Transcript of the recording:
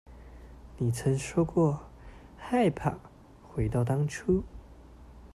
你曾說過害怕回到當初